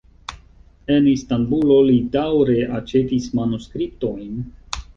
En Istanbulo li daŭre aĉetis manuskriptojn.